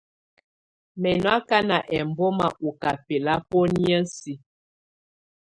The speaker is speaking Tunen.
Mɛ̀ nɔ̀ akana ɛmbɔ̀ma ɔ̀ kà bɛlabɔ̀nɛ̀á siǝ.